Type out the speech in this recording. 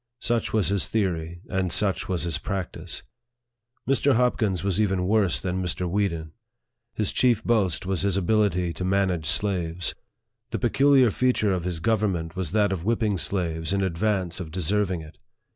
Such was his theory, and such his practice. Mr. Hopkins was even worse than Mr. Weeden. His chief boast was his ability to manage slaves. The peculiar feature of his government was that of whip ping slaves in advance of deserving it.